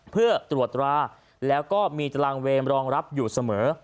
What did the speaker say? เพื่อตรวจตราแล้วก็มีตารางเวมรองรับอยู่เสมอ